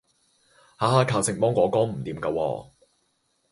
下下靠食芒果乾唔掂架喎